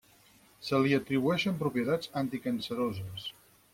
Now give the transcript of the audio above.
Se li atribueixen propietats anticanceroses.